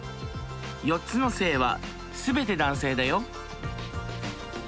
４つの性は全て男性だよ。